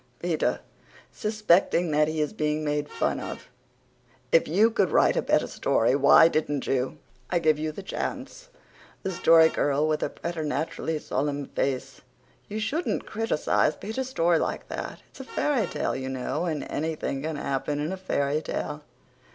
PETER, SUSPECTING THAT HE IS BEING MADE FUN OF: "If you could write a better story, why didn't you? I give you the chance." THE STORY GIRL, WITH A PRETERNATURALLY SOLEMN FACE: "You shouldn't criticize Peter's story like that. It's a fairy tale, you know, and anything can happen in a fairy tale."